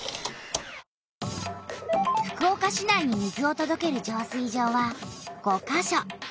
福岡市内に水をとどける浄水場は５か所。